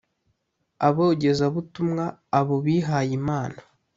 ’abogezabutumwa abo bihayimana